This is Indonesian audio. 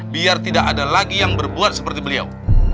biar tidak ada lagi yang berbuat seperti beliau